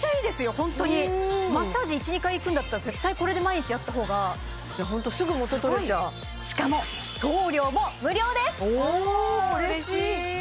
ホントにマッサージ１２回いくんだったら絶対これで毎日やった方がホントすぐ元取れちゃうしかもお嬉しい！